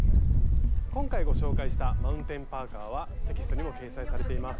今回ご紹介したマウンテンパーカーはテキストにも掲載されています。